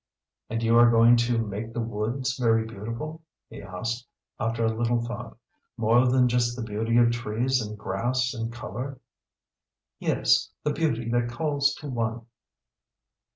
"And you are going to make the woods very beautiful?" he asked, after a little thought. "More than just the beauty of trees and grass and colour?" "Yes, the beauty that calls to one.